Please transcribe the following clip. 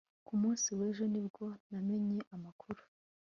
Ku munsi wejo ni bwo namenye amakuru